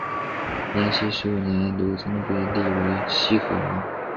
延熙十五年刘琮被立为西河王。